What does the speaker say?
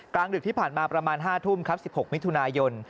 ดึกที่ผ่านมาประมาณ๕ทุ่มครับ๑๖มิถุนายน